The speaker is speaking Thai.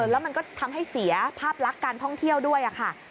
แล้วมันก็ทำให้เสียภาพลักษณ์การท่องเที่ยวด้วยค่ะ